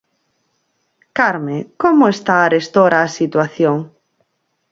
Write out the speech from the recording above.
Carmen, como está arestora a situación?